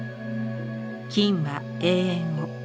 金は永遠を。